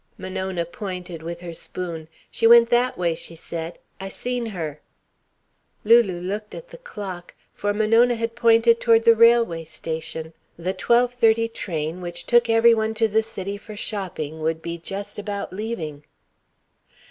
Monona pointed with her spoon. "She went that way," she said. "I seen her." Lulu looked at the clock. For Monona had pointed toward the railway station. The twelve thirty train, which every one took to the city for shopping, would be just about leaving.